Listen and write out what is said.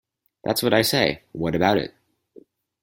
That's what I say: What about it?